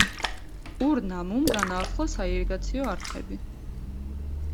ურ-ნამუმ განაახლა საირიგაციო არხები.